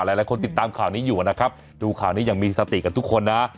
หลายคนติดตามข่าวนี้อยู่นะครับดูข่าวนี้ยังมีสติกับทุกคนนะ